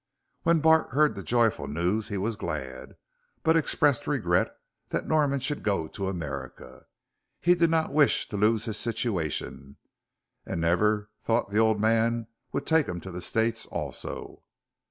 When Bart heard the joyful news he was glad, but expressed regret that Norman should go to America. He did not wish to lose his situation, and never thought the old man would take him to the States also.